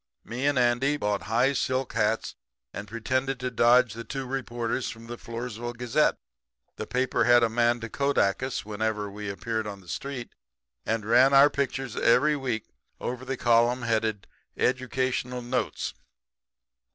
Me and Andy bought high silk hats and pretended to dodge the two reporters of the Floresville Gazette. The paper had a man to kodak us whenever we appeared on the street, and ran our pictures every week over the column headed 'Educational Notes.'